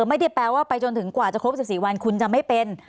ไม่ได้แปลว่าไปจนถึงกว่าจะครบ๑๔วันคุณจะไม่เป็น